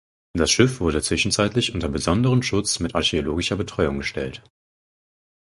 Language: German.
Das Schiff wurde zwischenzeitlich unter besonderen Schutz mit archäologischer Betreuung gestellt.